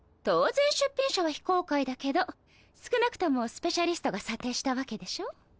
当然出品者は非公開だけど少なくともスペシャリストが査定したわけでしょ？